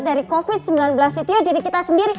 dari covid sembilan belas itu ya jadi kita sendiri